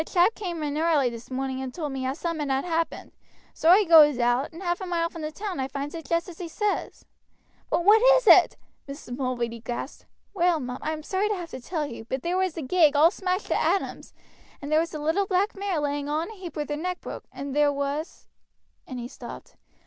A chap came in early this morning and told me as summat had happened, so I goes out, and half a mile from the town I finds it just as he says." "But what is it?" Mrs. Mulready gasped. "Well, mum, I am sorry to have to tell you, but there was the gig all smashed to atoms, and there was the little black mare lying all in a heap with her neck broke, and there was " and he stopped.